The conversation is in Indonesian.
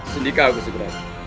sendika gusti berani